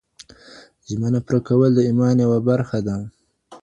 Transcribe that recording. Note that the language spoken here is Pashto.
ژمنه پوره کول د ايمان يوه برخه ده.